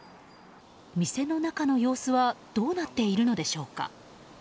店の中の様子はどうなっているのでしょうか。